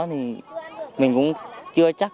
thì mình cũng chưa chắc